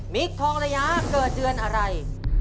ทองระยะเกิดเดือนอะไร